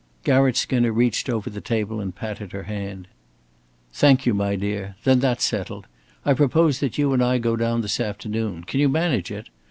Garrett Skinner reached over the table and patted her hand. "Thank you, my dear! Then that's settled. I propose that you and I go down this afternoon. Can you manage it?